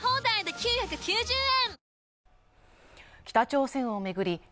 北朝鮮を巡り